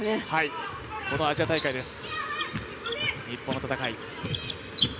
このアジア大会です。